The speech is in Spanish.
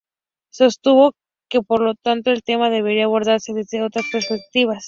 Sostuvo que por lo tanto el tema debería abordarse desde otras perspectivas.